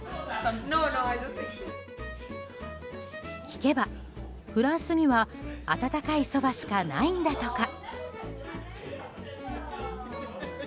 聞けば、フランスには温かいそばしかないんだとか。